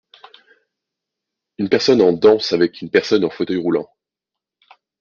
Une personne en danse avec une personne en fauteuil roulant.